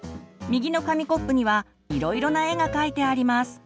右の紙コップにはいろいろな絵が描いてあります。